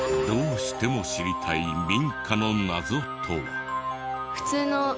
どうしても知りたい民家の謎とは？